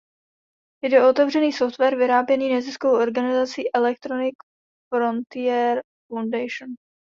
Jde o otevřený software vyráběný neziskovou organizací Electronic Frontier Foundation.